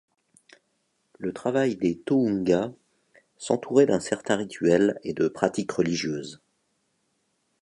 Le travail des Tohunga s'entourait d'un certain rituel et de pratiques religieuses.